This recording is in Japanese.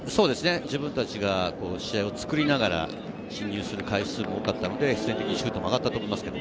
自分たちが試合をつくりながら進入する回数も多かったので、必然的にシュートも上がったと思います。